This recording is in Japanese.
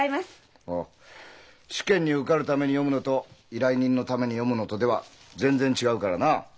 試験に受かるために読むのと依頼人のために読むのとでは全然違うからな。